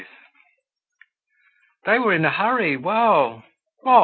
They were in a hurry, well!